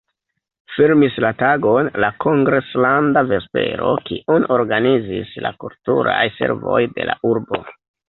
Fermis la tagon la kongreslanda vespero, kiun organizis la Kulturaj Servoj de la urbo.